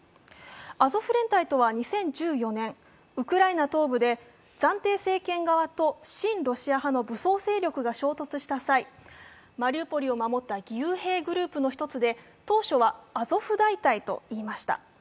アゾフ連隊とは２０１４年、ウクライナ東部で暫定政権側と親ロシア派の武装勢力が衝突した際、マリウポリを守った義勇兵グループの１つで当初はアゾフ大隊といいました。